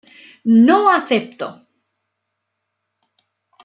No acepto!!!